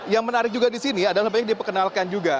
yang menarik juga di sini adalah banyak diperkenalkan juga